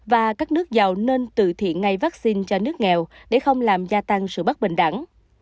và các nước giàu nên từ thiện ngay vaccine cho nước nghèo để không làm gia tăng sự bất bình đẳng